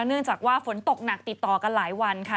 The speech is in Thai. เนื่องจากว่าฝนตกหนักติดต่อกันหลายวันค่ะ